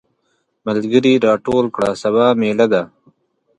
ملګري راټول کړه سبا ميله ده.